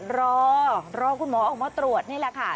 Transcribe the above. รอรอคุณหมอออกมาตรวจนี่แหละค่ะ